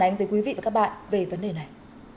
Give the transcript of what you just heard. phản ứng tới quý vị và các bạn về vấn đề này